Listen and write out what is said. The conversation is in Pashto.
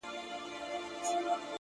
• تور او سور زرغون ویاړلی بیرغ غواړم ,